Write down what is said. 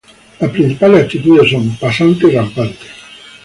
Las principales actitudes son pasante y rampante.